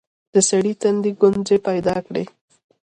د سړي تندي ګونځې پيدا کړې.